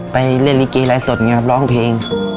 ไปเรียนลิเกย์รายสดร้องเพลง